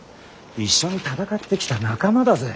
一緒に戦ってきた仲間だぜ。